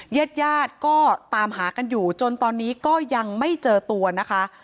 ญาติญาติก็ตามหากันอยู่จนตอนนี้ก็ยังไม่เจอตัวนะคะ